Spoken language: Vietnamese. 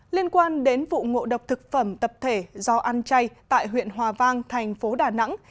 liên quan đến vụ ngộ độc thực phẩm tập thể do ăn chay tại huyện hòa vang thành phố đà nẵng